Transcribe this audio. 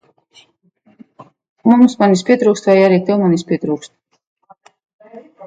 Mums manis pietrūkst, vai arī tev manis pietrūkst?